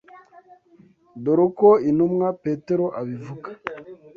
Dore uko intumwa Petero abivuga